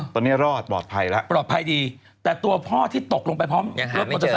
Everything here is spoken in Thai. ตอนเนี้ยรอดปลอดภัยแล้วปลอดภัยดีแต่ตัวพ่อที่ตกลงไปพร้อมยังหาไม่เจอ